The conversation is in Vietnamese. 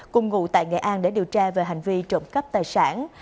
cùng ngụ tại nghệ an để điều tra về hành vi trộm cắp tài sản